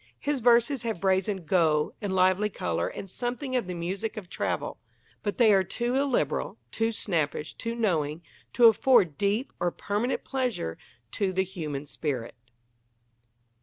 His verses have brazen "go" and lively colour and something of the music of travel; but they are too illiberal, too snappish, too knowing, to afford deep or permanent pleasure to the human spirit.